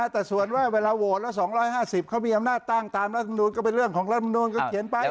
แต่ส่วนว่าเวลาโหวตแล้ว๒๕๐เขามีอำนาจตั้งตามรัฐมนุนก็เป็นเรื่องของรัฐมนูลก็เขียนไป